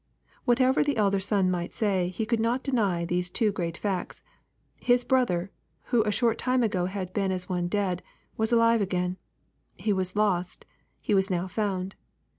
Whatever the elder son might say, he could not deny these two great facts. His brother, who a short time ago had been as one dead, was alive again. He was lost : he was now found.